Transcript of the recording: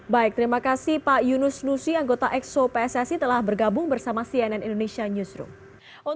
baik terima kasih pak yunus nusi anggota exo pssi telah bergabung bersama cnn indonesia newsroom